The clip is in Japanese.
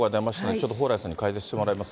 ちょっと蓬莱さんに解説してもらいます。